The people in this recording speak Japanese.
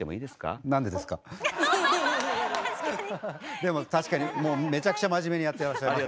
でも確かにもうめちゃくちゃ真面目にやってらっしゃるので。